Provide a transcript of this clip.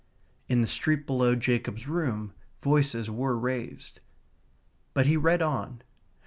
In the street below Jacob's room voices were raised. But he read on.